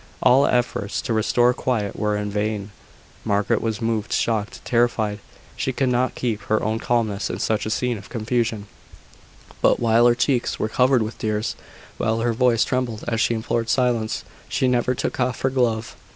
All efforts to restore quiet were in vain. Margaret was moved, shocked, terrified. She could not keep her own calmness in such a scene of confusion: but, while her cheeks were covered with tears, while her voice trembled as she implored silence, she never took off her glove.